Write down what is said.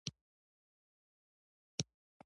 مولوي سرور واصف د رهبرۍ سړی و.